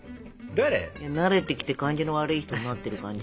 慣れてきて感じの悪い人になってる感じ？